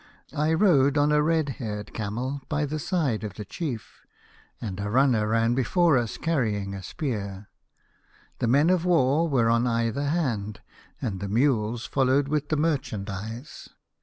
I rode on a red haired camel by the side of the chief, and a runner ran before us carrying a spear. The men of war were on either hand, and the mules followed with the merchandise.